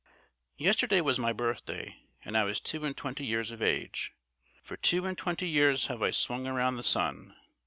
Yesterday was my birthday, and I was two and twenty years of age. For two and twenty years have I swung around the sun.